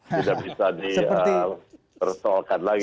tidak bisa di persoalkan lagi